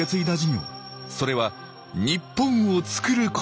それは日本をつくることでした。